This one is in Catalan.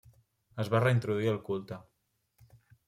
Es va reintroduir el culte.